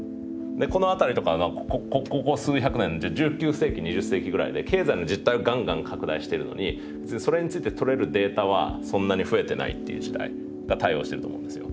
この辺りとかがここ数百年で１９世紀２０世紀ぐらいで経済の実体をがんがん拡大してるのにそれについて取れるデータはそんなに増えてないっていう時代が対応してると思うんですよ。